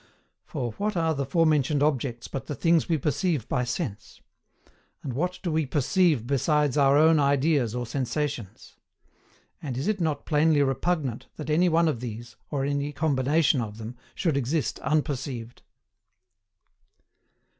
For, what are the fore mentioned objects but the things we perceive by sense? and what do we PERCEIVE BESIDES OUR OWN IDEAS OR SENSATIONS? and is it not plainly repugnant that any one of these, or any combination of them, should exist unperceived?